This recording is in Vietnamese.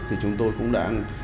thì chúng tôi cũng đang